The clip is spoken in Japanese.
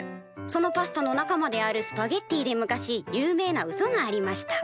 そのパスタの仲間であるスパゲッティで昔有名なうそがありました」。